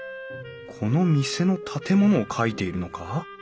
この店の建物を描いているのか？